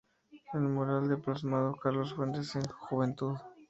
En el mural está plasmado Carlos Fuentes en su juventud.